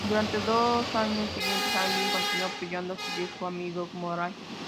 Durante los dos años siguientes, Argyll continuó apoyando a su viejo amigo Moray.